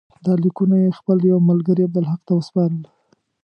دا لیکونه یې خپل یوه ملګري عبدالحق ته وسپارل.